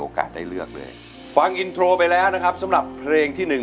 ได้เลือกเลยฟังอินโทรไปแล้วนะครับสำหรับเพลงที่หนึ่ง